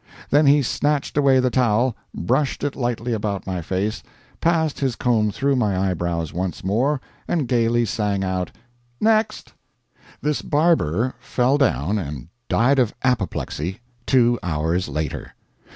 Then he snatched away the towel, brushed it lightly about my face, passed his comb through my eyebrows once more, and gaily sang out "Next!" This barber fell down and died of apoplexy two hours later.